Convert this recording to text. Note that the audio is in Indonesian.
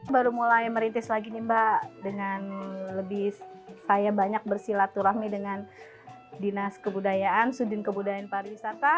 baru mulai merintis lagi nih mbak dengan lebih saya banyak bersilaturahmi dengan dinas kebudayaan sudin kebudayaan pariwisata